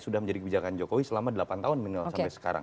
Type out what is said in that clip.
sudah menjadi kebijakan jokowi selama delapan tahun minimal sampai sekarang